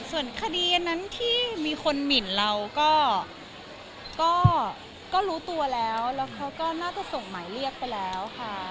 ส่วนคดีอันนั้นที่มีคนหมินเราก็รู้ตัวแล้วแล้วเขาก็น่าจะส่งหมายเรียกไปแล้วค่ะ